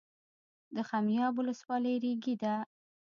د خمیاب ولسوالۍ ریګي ده